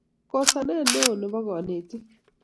kosanet neo nepo kanetik